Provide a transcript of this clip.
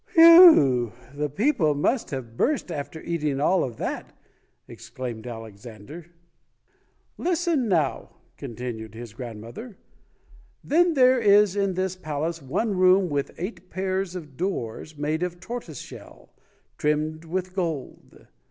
"Whew! The people must have burst after eat ing all of that!" exclaimed Alexander. "Listen, now", continued his grandmother. "Then there is in this palace one room with eight pairs of doors made of tortoise shell, trimmed with gold.